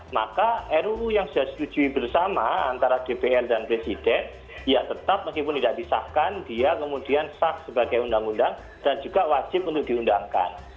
maka ruu yang sudah setuju bersama antara dpr dan presiden ya tetap meskipun tidak disahkan dia kemudian sah sebagai undang undang dan juga wajib untuk diundangkan